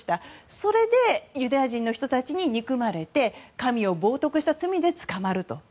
それでユダヤ人の人たちに憎まれて神を冒涜した罪で捕まると。